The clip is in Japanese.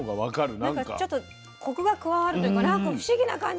なんかちょっとコクが加わるというかなんか不思議な感じ。